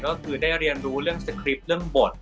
ก็คือได้เรียนรู้เรื่องสคริปต์เรื่องบท